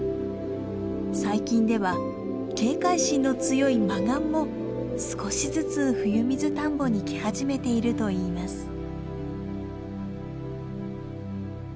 最近では警戒心の強いマガンも少しずつふゆみずたんぼに来始めているといいます。